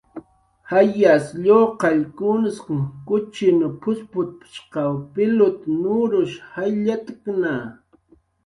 "Jayas lluqallkunsq kuchin p""usputp""shqaw pilut nurush jayllatkna."